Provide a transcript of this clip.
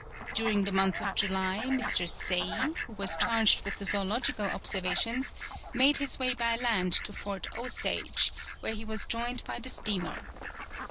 During the month of July, Mr. Say, who was charged with the zoological observations, made his way by land to Fort Osage, where he was joined by the steamer.